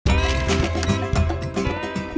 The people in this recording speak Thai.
คุณพูดถูก